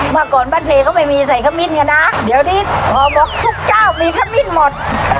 เมื่อก่อนบ้านเพก็ไม่มีใส่ขมิ้นกันนะเดี๋ยวนี้พอบอกทุกเจ้ามีขมิ้นหมด